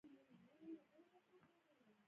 پزه یو ټریلیون بویونه پېژني.